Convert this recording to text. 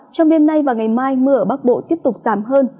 trong đêm nay và ngày mai mưa ở bắc bộ tiếp tục giảm hơn